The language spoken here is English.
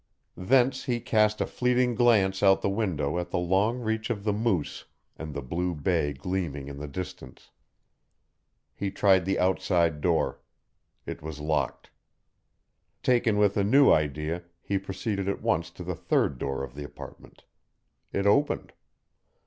Thence he cast a fleeting glance out the window at the long reach of the Moose and the blue bay gleaming in the distance. He tried the outside door. It was locked. Taken with a new idea he proceeded at once to the third door of the apartment. It opened.